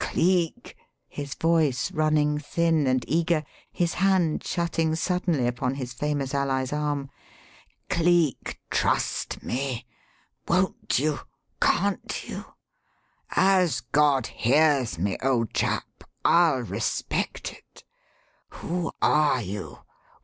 Cleek!" his voice running thin and eager, his hand shutting suddenly upon his famous ally's arm "Cleek, trust me! Won't you? Can't you? As God hears me, old chap, I'll respect it. Who are you?